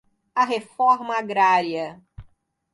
a reforma agrária